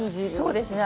そうですね。